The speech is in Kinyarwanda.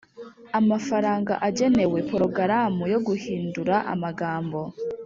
amafaranga agenewe Porogaramu yo guhindura amagambo